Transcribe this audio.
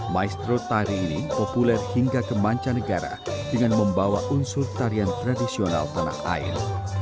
maestro tari ini populer hingga ke mancanegara dengan membawa unsur tarian tradisional tanah air